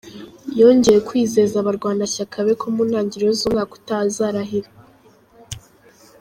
Yongeye kwizeza abarwanashyaka be ko mu ntangiriro z’umwaka utaha azarahira.